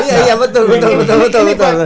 nah ini fakta